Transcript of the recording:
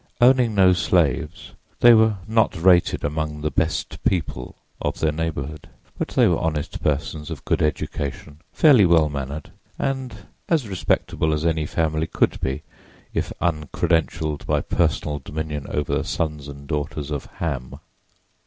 Owning no slaves, they were not rated among "the best people" of their neighborhood; but they were honest persons of good education, fairly well mannered and as respectable as any family could be if uncredentialed by personal dominion over the sons and daughters of Ham.